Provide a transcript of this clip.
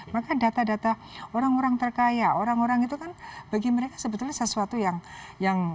maka data data orang orang terkaya orang orang itu kan bagi mereka sebetulnya sesuatu yang